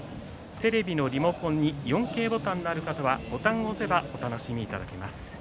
テレビのリモコンに４Ｋボタンのある方はボタンを押せばお楽しみいただけます。